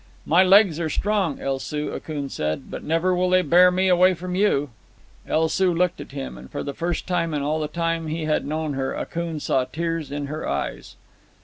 "My legs are strong, El Soo," Akoon said. "But never will they bear me away from you." El Soo looked at him, and for the first time in all the time he had known her, Akoon saw tears in her eyes.